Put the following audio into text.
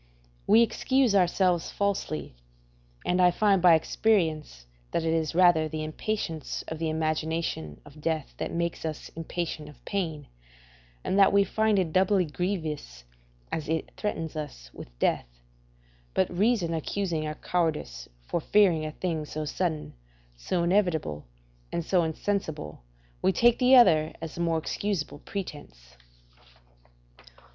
We excuse ourselves falsely: and I find by experience that it is rather the impatience of the imagination of death that makes us impatient of pain, and that we find it doubly grievous as it threatens us with death. But reason accusing our cowardice for fearing a thing so sudden, so inevitable, and so insensible, we take the other as the more excusable pretence.